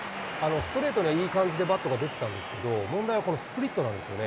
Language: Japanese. ストレートにはいい感じでバットが出てたんですけど、問題はこのスプリットなんですよね。